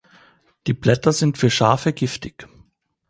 Die Blätter sind für Schafe giftig.